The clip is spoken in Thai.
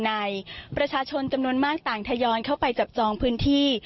ประชาชนจำนวนมากต่างทยอยเข้าไปจับจองพื้นที่